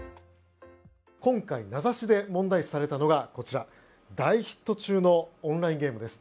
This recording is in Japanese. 今回名指しで問題視されたのがこちら、大ヒット中のオンラインゲームです。